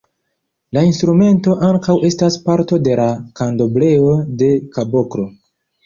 La instrumento ankaŭ estas parto de la Kandombleo-de-kaboklo.